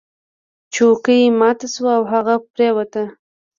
چوکۍ ماته شوه او هغه پریوت.